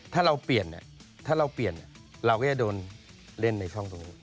ถ้าเราเปลี่ยนเราก็จะโดนเล่นในช่องตรงนี้